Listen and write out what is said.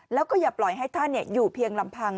แล้วก็อย่าปล่อยให้ท่านอยู่เพียงลำพัง